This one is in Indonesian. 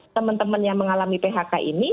teman teman yang mengalami phk ini